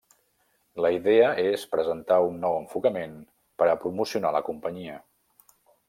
La idea és presentar un nou enfocament per a promocionar la companyia.